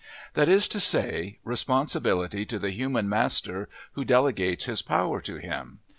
That is to say, responsibility to the human master who delegates his power to him.